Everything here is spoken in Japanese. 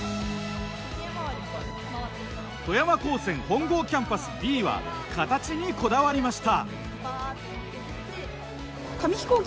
富山高専本郷キャンパスＢは形にこだわりました。